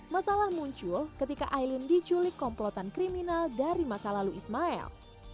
masalah muncul ketika aileen diculik komplotan kriminal dari masa lalu ismail